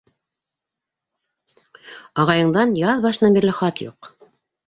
— Ағайыңдан яҙ башынан бирле хат юҡ.